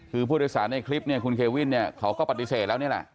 คือผู้โดยสารในคลิปเนี่ยคุณเควินเนี่ยเขาก็ปฏิเสธแล้วนี่แหละ